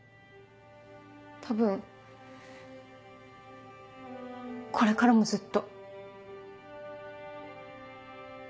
多分これからもずっと。